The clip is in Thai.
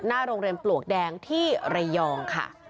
หน้าโรงเรียนปลวกแดงที่ระยองค่ะ